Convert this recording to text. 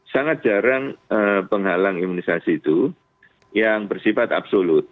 sangat jarang penghalang imunisasi itu yang bersifat absolut